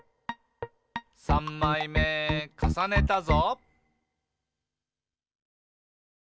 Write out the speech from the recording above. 「さんまいめかさねたぞ！」